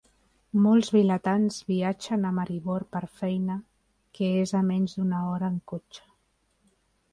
Molts vilatans viatgen a Maribor per feina, que és a menys d'una hora en cotxe.